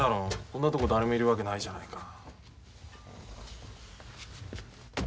こんなとこ誰もいるわけじゃないか。